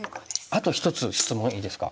あと１つ質問いいですか？